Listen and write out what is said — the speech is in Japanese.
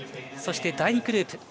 そして第２グループ